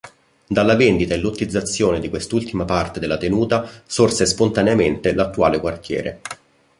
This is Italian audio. Dalla vendita e lottizzazione di quest'ultima parte della tenuta sorse spontaneamente l'attuale quartiere.